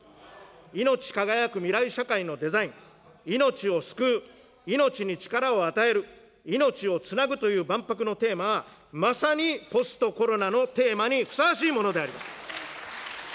いのち輝く未来社会のデザイン、いのちを救う、いのちに力を与える、いのちをつなぐという万博のテーマはまさにポストコロナのテーマにふさわしいものであります。